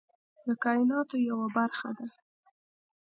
د کایناتو یوه برخه ده.